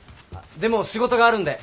でも仕事があるんで。